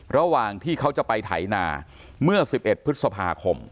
ระหว่างที่เขาจะไปไถนาเมื่อ๑๑พฤษภาคม